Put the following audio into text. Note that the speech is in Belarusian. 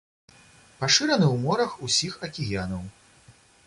Пашыраны ў морах усіх акіянаў.